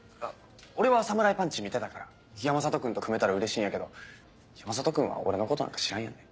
俺は侍パンチ見てたから山里君と組めたらうれしいんやけど山里君は俺のことなんか知らんやんね。